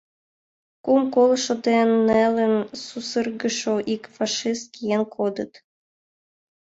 Кум колышо ден нелын сусыргышо ик фашист киен кодыт.